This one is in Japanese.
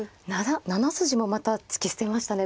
７筋もまた突き捨てましたね。